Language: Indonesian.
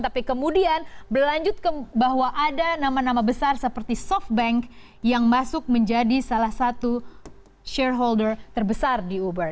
tapi kemudian berlanjut bahwa ada nama nama besar seperti softbank yang masuk menjadi salah satu shareholder terbesar di uber